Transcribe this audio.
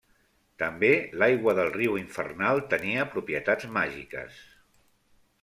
També l'aigua del riu infernal tenia propietats màgiques.